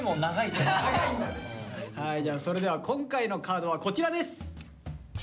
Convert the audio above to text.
じゃあそれでは今回のカードはこちらです。